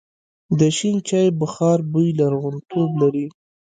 د شین چای بخار بوی لرغونتوب لري.